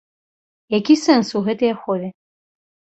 Які сэнс у гэтай ахове?